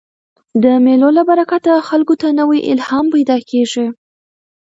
د مېلو له برکته خلکو ته نوی الهام پیدا کېږي.